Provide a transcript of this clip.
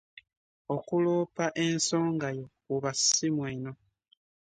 Okuloopa ensonga yo kuba ssimu eno.